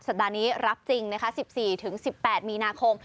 สัปดาห์นี้รับจริงนะคะ๑๔๑๘มีนาคม